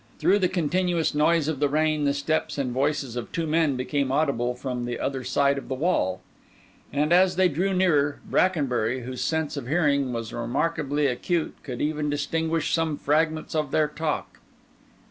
Through the continuous noise of the rain, the steps and voices of two men became audible from the other side of the wall; and, as they drew nearer, Brackenbury, whose sense of hearing was remarkably acute, could even distinguish some fragments of their talk.